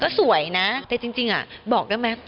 ก็สวยนะแต่จริงอ่ะบอกได้มั้ย